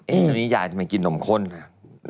เนี่ยตอนนี้ยายไม่กินนมข้นค่ะ